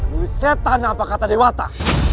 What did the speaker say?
bu setan apa kata dewata